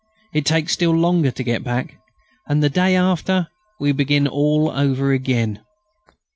It takes still longer to get back. And the day after we begin all over again."